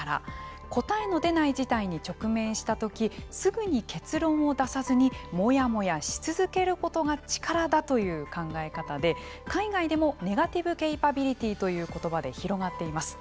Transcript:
答えの出ない事態に直面した時すぐに結論を出さずにモヤモヤし続けることが力だという考え方で海外でもネガティブ・ケイパビリティという言葉で広がっています。